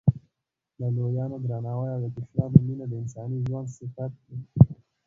د لویانو درناوی او د کشرانو مینه د انساني ژوند صفت دی.